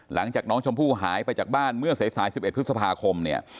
หลังจากน้องชมพู่หายไปจากบ้านเมื่อสาย๑๑พฤษภาคมเนี่ย